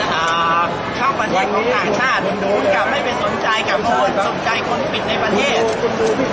อาหรับเชี่ยวจามันไม่มีควรหยุด